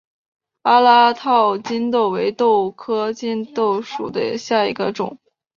阿拉套棘豆为豆科棘豆属下的一个种。